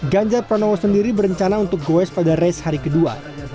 ganjar pranowo sendiri berencana untuk goes pada race hari kedua